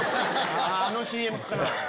あのＣＭかな。